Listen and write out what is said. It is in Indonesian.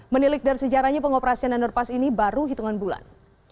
menilik dari sejarahnya pengoperasian underpass ini baru hitungan bulan